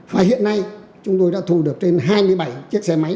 và hiện nay chúng tôi đã thu được trên hai mươi bảy chiếc xe máy